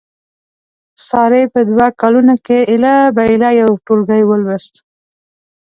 سارې په دوه کالونو کې هیله بیله یو ټولګی ولوست.